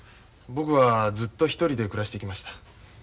僕はずっと一人で暮らしてきました。